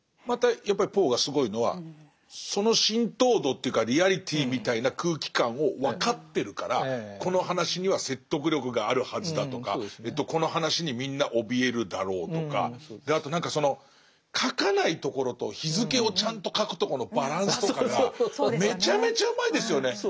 またやっぱりポーがすごいのはその浸透度というかリアリティーみたいな空気感を分かってるからこの話には説得力があるはずだとかこの話にみんなおびえるだろうとかあと何かその書かないところと日付をちゃんと書くとこのバランスとかがめちゃめちゃうまいですよね。